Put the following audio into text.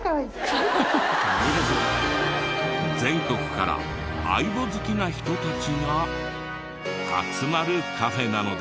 全国からａｉｂｏ好きな人たちが集まるカフェなのです。